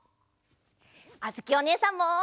あづきおねえさんも。